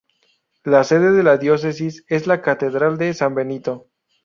La sede de la Diócesis es la Catedral de San Benito.